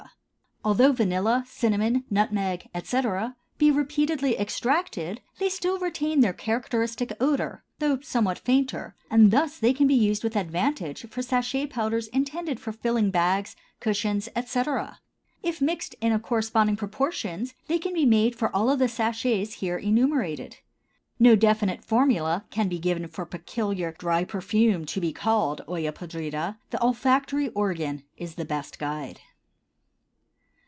Although vanilla, cinnamon, nutmeg, etc., be repeatedly extracted, they still retain their characteristic odor, though somewhat fainter, and thus they can be used with advantage for sachet powders intended for filling bags, cushions, etc. If mixed in corresponding proportions, they can be made use of for all the sachets here enumerated. No definite formula can be given for a peculiar dry perfume to be called Olla podrida; the olfactory organ is the best guide.